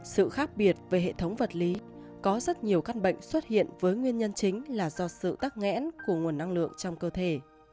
sự khác biệt về hệ thống vật lý có rất nhiều căn bệnh xuất hiện với nguyên nhân chính là do sự tắc nghẽn của nguồn năng lượng trong cơ thể